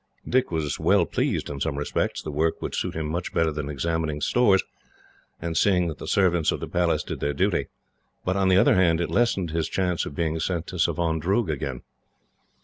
Dick was well pleased, in some respects. The work would suit him much better than examining stores, and seeing that the servants of the Palace did their duty; but, on the other hand, it lessened his chance of being sent to Savandroog again.